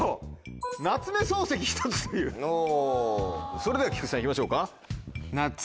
それでは菊池さん行きましょうか。